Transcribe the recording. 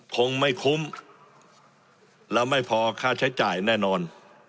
คงไม่คุ้มแล้วไม่พอค่าใช้จ่ายแน่นอน